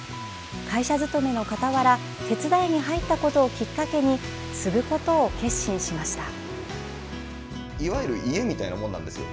会社勤めの傍ら手伝いに入ったことをきっかけに継ぐことを決心しました。